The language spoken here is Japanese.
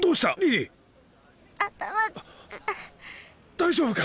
大丈夫か？